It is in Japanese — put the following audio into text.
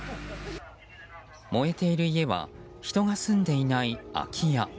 燃えている家は人が住んでいない空き家。